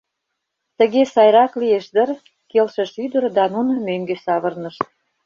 — Тыге сайрак лиеш дыр, — келшыш ӱдыр да нуно мӧҥгӧ савырнышт.